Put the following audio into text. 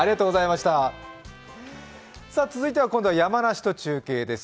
続いては今度は山梨と中継です。